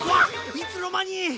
いつの間に！？